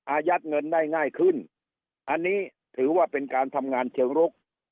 อายัดเงินได้ง่ายขึ้นอันนี้ถือว่าเป็นการทำงานเชิงรุก